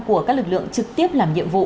của các lực lượng trực tiếp làm nhiệm vụ